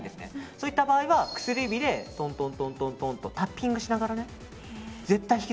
そういった場合は薬指でトントンとタッピングしながらね。